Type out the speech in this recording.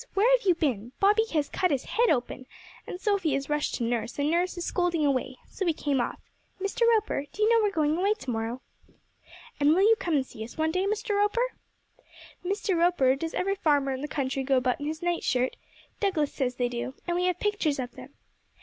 Where have you been? Bobby has cut his head open, and Sophy has rushed to nurse, and nurse is scolding away, so we came off. Mr. Roper, do you know we're going away to morrow?' 'And will you come and see us one day, Mr. Roper?' 'Mr. Roper, does every farmer in the country go about in his night shirt? Douglas says they do, and we have pictures of them.'